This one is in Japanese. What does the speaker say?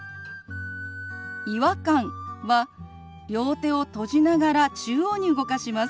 「違和感」は両手を閉じながら中央に動かします。